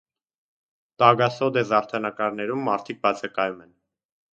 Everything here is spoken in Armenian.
«Տագասոդե» զարդանկարներում մարդիկ բացակայում են։